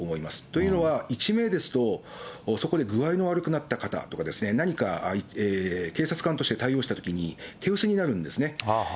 というのは、１名ですと、そこで具合が悪くなった方、何か警察官として対応したときに、手薄になるんですね。